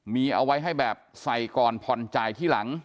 มีเอาไว้ให้แบบใส่ก่อนพลใจที่หลัง